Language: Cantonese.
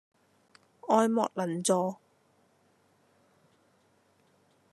愛莫能助